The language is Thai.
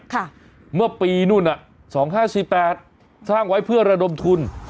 เมื่อปีนู่นอ่ะสองห้าสี่แปดสร้างไว้เพื่อระดมทุน